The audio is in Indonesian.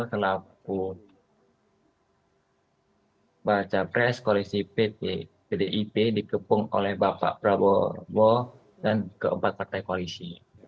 kenapa baca pres koalisi pdip dikepung oleh bapak prabowo dan keempat partai koalisi